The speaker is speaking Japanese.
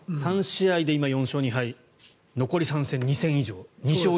３試合で今４勝２敗残り３戦で２勝以上。